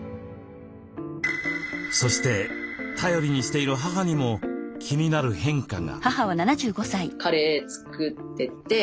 そして頼りにしている母にも気になる変化が。